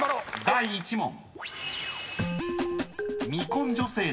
［第１問］